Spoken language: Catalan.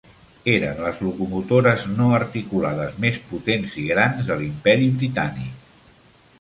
Eren les locomotores no articulades més potents i grans de l'imperi Britànic.